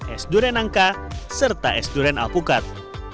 es durian angka serta es durian alpukat